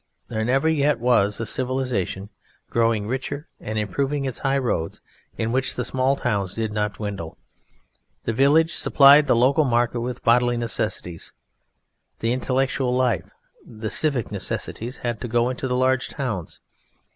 There never yet was a civilisation growing richer and improving its high roads in which the small towns did not dwindle. The village supplied the local market with bodily necessaries; the intellectual life, the civic necessities had to go into the large towns.